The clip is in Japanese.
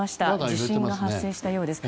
地震が発生したようです。